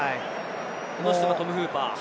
この人がトム・フーパー。